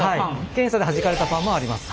検査ではじかれたパンもあります。